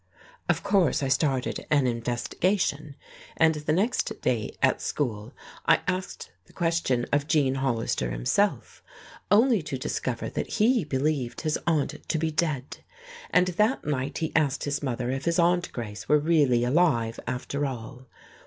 Of course I started an investigation, and the next day at school I asked the question of Gene Hollister himself, only to discover that he believed his aunt to be dead! And that night he asked his mother if his Aunt Grace were really alive, after all?